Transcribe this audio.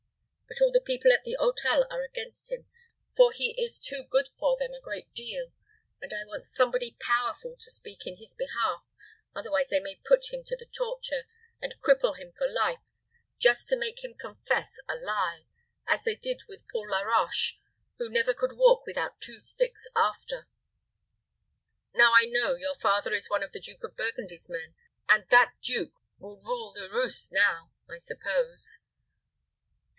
But all the people at the hotel are against him, for he is too good for them, a great deal; and I want somebody powerful to speak in his behalf, otherwise they may put him to the torture, and cripple him for life, just to make him confess a lie, as they did with Paul Laroche, who never could walk without two sticks after. Now I know, your father is one of the Duke of Burgundy's men, and that duke will rule the roast now, I suppose."